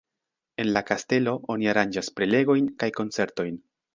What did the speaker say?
En la kastelo oni aranĝas prelegojn kaj koncertojn.